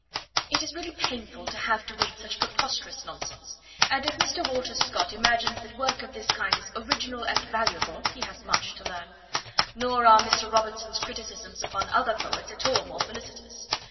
It is really painful to have to read such preposterous nonsense, and if Mr. Walter Scott imagines that work of this kind is 'original and valuable' he has much to learn. Nor are Mr. Robertson's criticisms upon other poets at all more felicitous.